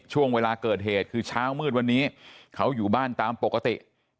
ช่วงเวลาเกิดเหตุคือเช้ามืดวันนี้เขาอยู่บ้านตามปกติ